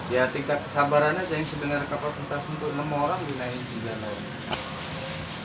ya tingkat kesabarannya jadi sederhana kapal sentasen itu enam orang dinaiki sembilan orang